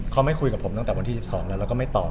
เขาไม่คุยกับผมตั้งแต่วันที่๑๒แล้วแล้วก็ไม่ตอบ